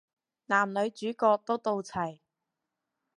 男女主角都到齊